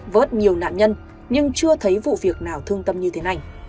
vớt nhiều nạn nhân nhưng chưa thấy vụ việc nào thương tâm như thế này